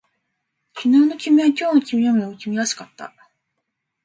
昨日の君は今日の君よりも君らしかった